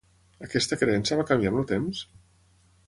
Aquesta creença va canviar amb el temps?